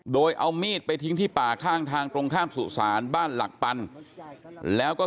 โดยเอามีดไปทิ้งที่ป่าข้างทางตรงข้ามสุสานบ้านหลักปันแล้วก็